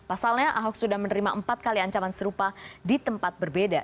pasalnya ahok sudah menerima empat kali ancaman serupa di tempat berbeda